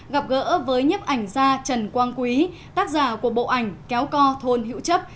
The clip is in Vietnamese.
gặp gỡ với nhiếp ảnh gia trần quang quý tác giả của bộ ảnh kéo co thôn hữu chấp